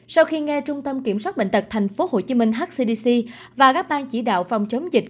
sau khi nghe trung tâm kiểm soát bệnh tật tp hcm hcdc và các bang chỉ đạo phòng chống dịch